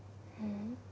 うん